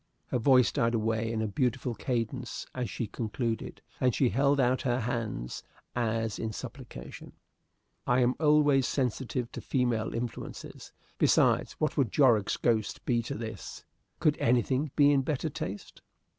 Her voice died away in a beautiful cadence as she concluded, and she held out her hands as in supplication. I am always sensitive to female influences. Besides, what would Jorrocks' ghost be to this? Could anything be in better taste?